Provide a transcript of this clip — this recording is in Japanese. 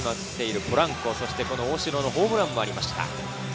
ポランコ、そして大城のホームランもありました。